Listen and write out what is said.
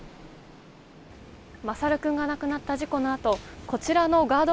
優君が亡くなった事故のあとこちらのガード